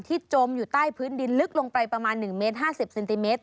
จมอยู่ใต้พื้นดินลึกลงไปประมาณ๑เมตร๕๐เซนติเมตร